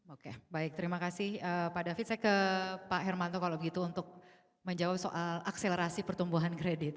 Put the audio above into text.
oke baik terima kasih pak david saya ke pak hermanto kalau begitu untuk menjawab soal akselerasi pertumbuhan kredit